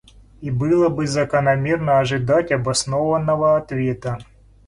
И было бы закономерно ожидать обоснованного ответа.